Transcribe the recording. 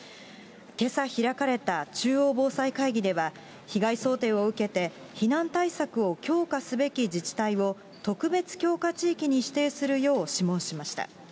けさ開かれた中央防災会議では、被害想定を受けて、避難対策を強化すべき自治体を特別強化地域に指定するよう諮問しました。